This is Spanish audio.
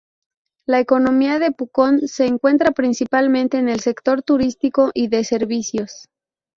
La economía de Pucón se centra principalmente en el sector turístico y de servicios.